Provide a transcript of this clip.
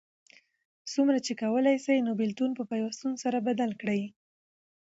څومره چی کولای سې نو بیلتون په پیوستون سره بدل کړه